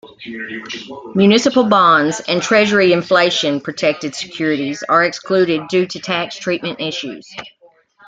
Municipal bonds, and Treasury Inflation-Protected Securities are excluded, due to tax treatment issues.